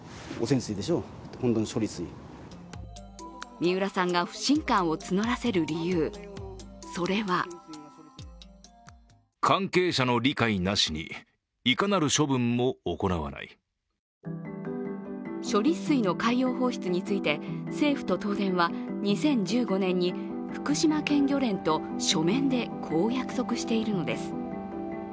三浦さんが不信感を募らせる理由、それは処理水の海洋放出について政府と東電は２０１５年に福島県漁連と書面でこう約束しているのです。